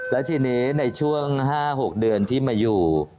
และทีนี้ในช่วง๕๖เดือนที่มาอยู่